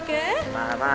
まあまあ。